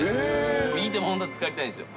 右手も本当はつかりたいんですよ。